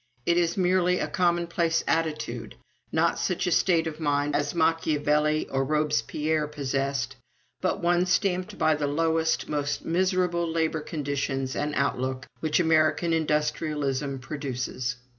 It is merely a commonplace attitude not such a state of mind as Machiavelli or Robespierre possessed, but one stamped by the lowest, most miserable labor conditions and outlook which American industrialism produces.